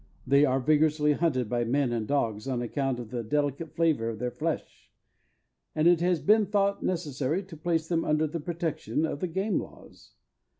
They are vigorously hunted by men and dogs on account of the delicate flavor of their flesh, and it has been thought necessary to place them under the protection of the game laws.